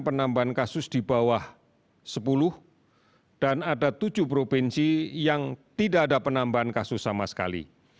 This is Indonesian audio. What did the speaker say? penambahan kasus di bawah sepuluh dan ada tujuh provinsi yang tidak ada penambahan kasus sama sekali